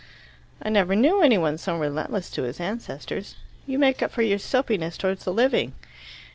"I never knew any one so relentless to his ancestors. You make up for your soapiness towards the living."